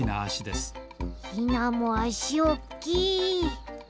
ヒナもあしおっきい！